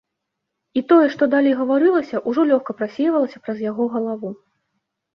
І тое, што далей гаварылася, ужо лёгка прасейвалася праз яго галаву.